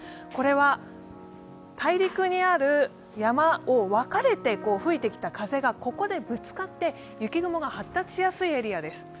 これは大陸にある山を分かれて吹いてきた風がここでぶつかって雪雲が発達しやすいエリアです。